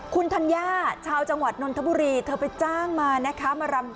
คุณธัญญาชาวจังหวัดนนทบุรีเธอไปจ้างมานะคะ